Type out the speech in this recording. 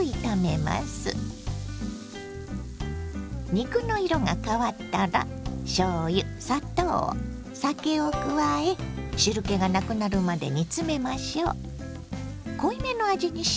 肉の色が変わったらしょうゆ砂糖酒を加え汁けがなくなるまで煮詰めましょ。